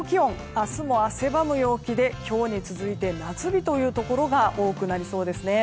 明日も汗ばむ陽気で今日に続いて夏日というところが多くなりそうです。